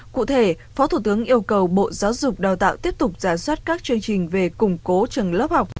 cụ thể phó thủ tướng yêu cầu bộ giáo dục đào tạo tiếp tục giả soát các chương trình về củng cố trường lớp học